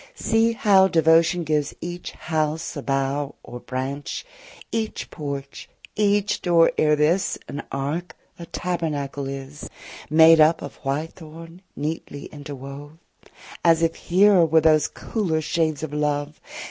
see how Devotion gives each house a bough Or branch! each porch, each door, ere this, An ark, a tabernacle is, Made up of white thorn neatly interwove, 35 As if here were those cooler shades of love.